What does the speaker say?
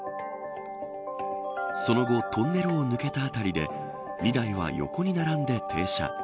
その後、トンネルを抜けた辺りで２台は横に並んで停車。